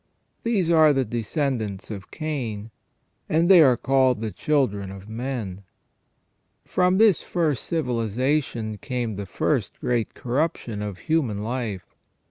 These are the descendants of Cain, and they are called the children of men. From this first civilization came the first great corruption of human life.